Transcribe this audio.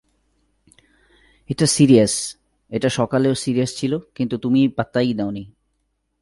এটা সিরিয়াস এটা সকালে ও সিরিয়াস ছিল কিন্তু তুমি পাত্তাই দাওনি।